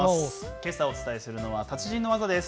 けさお伝えするのは達人の技です。